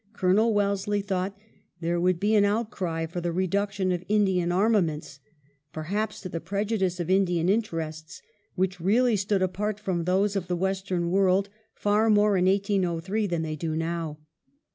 Colonel Wellesley thought there would be an outcry for the reduction of Indian armaments, perhaps to the prejudice of Indian interests, which really stood apart from those of the Western world far more in 1803 than they do now.